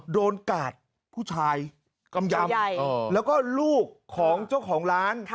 กาดผู้ชายกำยำแล้วก็ลูกของเจ้าของร้าน